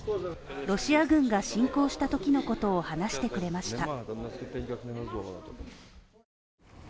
ロシア軍が侵攻したときのことを話してくれました。